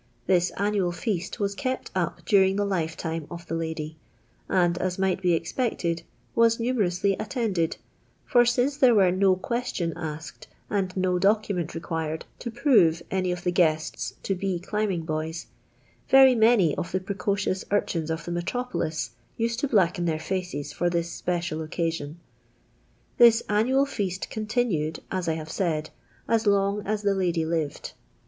This annual foast was kept up daring the lifetime of the lady, and, as might be expected, waa numerously attended, for since there were no ques tion asked and no document required to prove any of the guests to be climbing boys, very many of the precociotis urchins of the metropolis used to blacken their foees for this speoal occasion. This annual foast eontiinied, as I have said, as long as the lady lived.